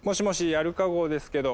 アルカ号ですけど。